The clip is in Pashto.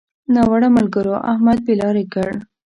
ناوړه ملګرو؛ احمد بې لارې کړ.